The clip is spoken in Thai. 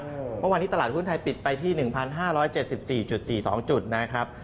เมื่อวานนี้ตลาดหุ้นไทยปิดไปที่๑๕๗๔๔๒จุดนะครับ